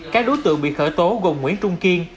các đối tượng bị khởi tố gồm nguyễn trung kiên